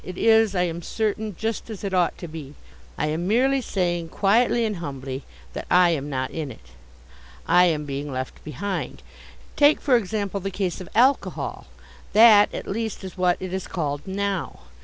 It is, I am certain, just as it ought to be. I am merely saying, quietly and humbly, that I am not in it. I am being left behind. Take, for example, the case of alcohol. That, at least, is what it is called now.